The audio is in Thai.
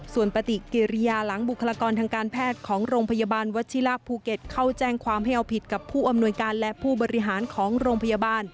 ส่วนปฏิกิริยาหลังบุคลากรทางการแพทย์ของโรงพยาบาลวัชิราภูเก็ตเข้าแจ้งความให้เอาผิดกับผู้อำนวยการและผู้บริหารของโรงพยาบาล